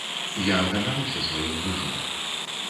Я ганаруся сваім мужам.